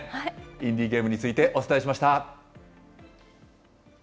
インディーゲームについてお伝えしました。